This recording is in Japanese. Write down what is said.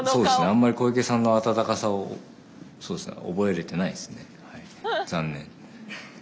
あんまり小池さんの温かさをそうですね覚えれてないですね。